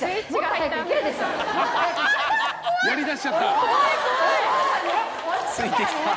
やりだしちゃった。